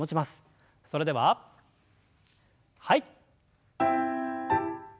それでははい。